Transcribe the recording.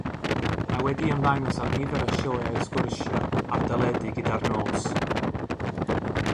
Mae wedi ymddangos ar nifer o sioeau sgwrsio ar deledu gyda'r nos.